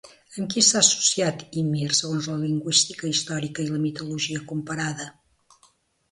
Amb qui s'ha associat Ymir segons la lingüística històrica i la mitologia comparada?